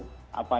apa yang terjadi